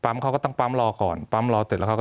มีความรู้สึกว่ามีความรู้สึกว่า